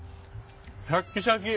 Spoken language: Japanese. シャッキシャキ！